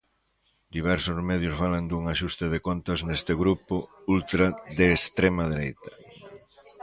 Diversos medios falan dun axuste de contas neste grupo ultra de extrema dereita.